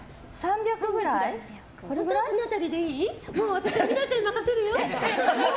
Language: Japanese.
私、美奈代ちゃんに任せるよ。